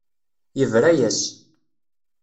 Yebra-yas.